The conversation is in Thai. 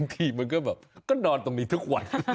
ก็นอนตรงนี้ทุกวัน